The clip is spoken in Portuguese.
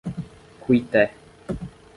Cuité